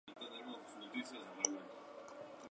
Nunca cuenta el dinero cuando está sentado en la mesa.